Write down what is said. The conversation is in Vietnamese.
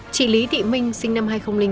chị lý thị minh sinh năm hai nghìn bốn